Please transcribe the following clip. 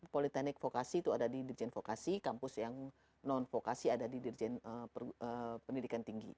politek vokasi itu ada di dirjen vokasi kampus yang non vokasi ada di dirjen pendidikan tinggi